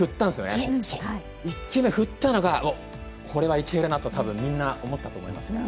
１球目振ったのが、これはいけるなとみんな思ったと思いますね。